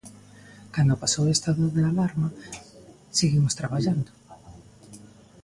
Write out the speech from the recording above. Cando pasou o estado de alarma seguimos traballando.